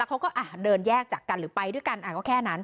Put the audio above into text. เขาก็เดินแยกจากกันหรือไปด้วยกันก็แค่นั้น